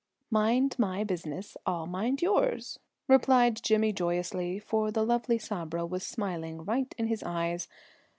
"Mind my business, I'll mind yours," replied Jimmy joyously, for the lovely Sabra was smiling right in his eyes.